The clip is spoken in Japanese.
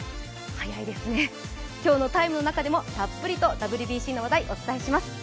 早いですね、今日の「ＴＩＭＥ，」の中でもたっぷりとＷＢＣの話題お伝えします。